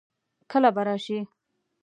کله به راشي؟